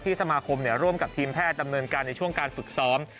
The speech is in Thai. สมาคมร่วมกับทีมแพทย์ดำเนินการในช่วงการฝึกซ้อม